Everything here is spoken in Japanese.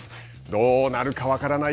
どうなるか分からない